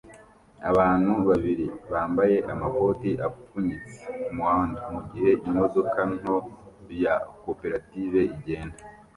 Abantu babiri bambaye amakoti apfunyitse kumuhanda mugihe imodoka nto ya koperative igenda